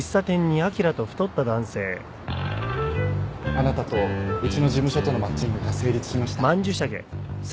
あなたとうちの事務所とのマッチングが成立しました。